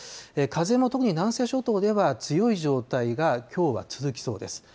風も、特に南西諸島では強い状態がきょうは続きそうです。